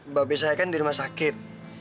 mbak be saya kan di rumah sakit